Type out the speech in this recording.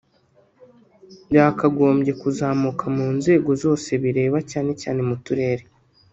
yakagombye kuzamuka mu nzego zose bireba cyane cyane mu turere